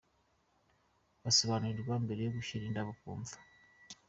Basobanurirwa mbere yo gushyira indabo ku mva.